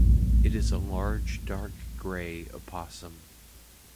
It is a large dark gray opossum.